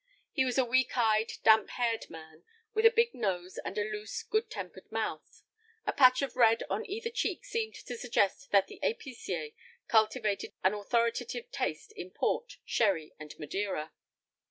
He was a weak eyed, damp haired man, with a big nose and a loose, good tempered mouth. A patch of red on either cheek seemed to suggest that the épicier cultivated an authoritative taste in port, sherry, and Madeira.